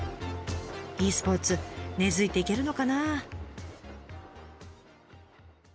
ｅスポーツ根づいていけるのかなあ。